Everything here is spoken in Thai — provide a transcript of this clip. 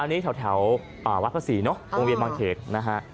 อันนี้แถวแถวอ่าวัดภาษีเนอะองค์เวียนบางเขนนะฮะ